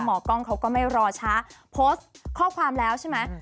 กล้องเขาก็ไม่รอช้าโพสต์ข้อความแล้วใช่ไหม